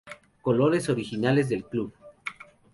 Colores originales del club.